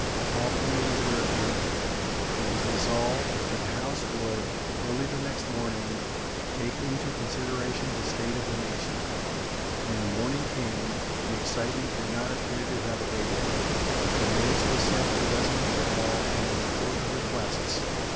All committees were adjourned. It was resolved that the House would, early the next morning, take into consideration the state of the nation. When the morning came, the excitement did not appear to have abated. The mace was sent into Westminster Hall and into the Court of Requests.